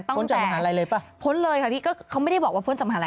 พ้นจากมหาลัยเลยป่ะพ้นเลยค่ะพี่ก็เขาไม่ได้บอกว่าพ้นจากมหาล